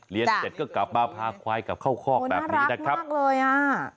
เรียนเสร็จก็กลับมาพาควายกลับเข้าคอกแบบนี้นะครับโหน่ารักมากเลยอ่ะ